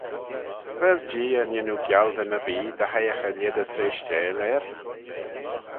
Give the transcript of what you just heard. Vel Jee er nyannoo gialdyn erbee dy hoiaghey lhied y treishteil er?